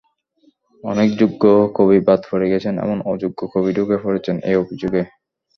অনেক যোগ্য কবি বাদ পড়ে গেছেন এবং অযোগ্য কবি ঢুকে পড়েছেন—এই অভিযোগে।